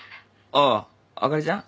あっあかりちゃん？